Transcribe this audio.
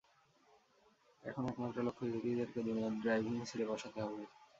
এখন একমাত্র লক্ষ্য, ইহুদীদেরকে দুনিয়ার ড্রাইভিং সিটে বসাতে হবে।